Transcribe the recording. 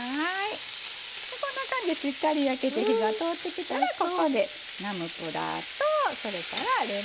こんな感じでしっかり焼けて火が通ってきたらここでナムプラーとそれからレモン汁加えます。